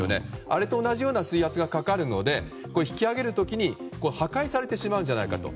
あれと同じような水圧がかかるので引き揚げる時破壊されてしまうんじゃないかと。